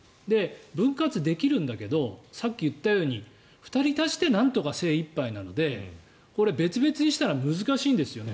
分割できるんだけどさっき言ったように２人足してなんとか精いっぱいなのでこれ、別々にしたら難しいんですよね。